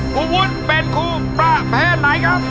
คุณวุฒิเป็นครูประเภทไหนครับ